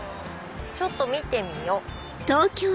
ちょっと見てみよう。